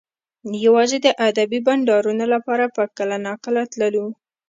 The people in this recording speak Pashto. یوازې د ادبي بنډارونو لپاره به کله ناکله تللو